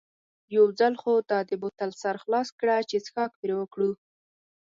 یو ځل خو دا د بوتل سر خلاص کړه چې څښاک پرې وکړو.